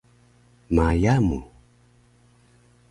ma yamu!